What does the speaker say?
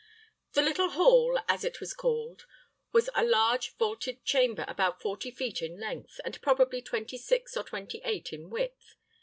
The little hall, as it was called, was a large vaulted chamber about forty feet in length, and probably twenty six or twenty eight in width.